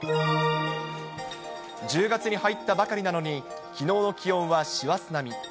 １０月に入ったばかりなのに、きのうの気温は師走並み。